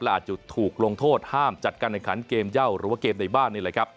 อาจจะถูกลงโทษห้ามจัดการแข่งขันเกมเย่าหรือว่าเกมในบ้านนี่แหละครับ